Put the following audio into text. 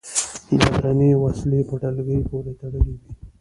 د درنې وسلې په ډلګۍ پورې تړلي و.